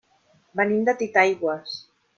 Venim de Titaigües.